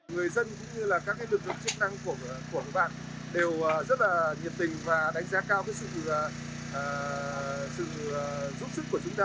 người dân cũng như là các lực lượng chức năng của các bạn đều rất là nhiệt tình và đánh giá cao sự giúp sức của chúng ta